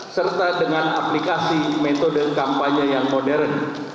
serta dengan aplikasi metode kampanye yang modern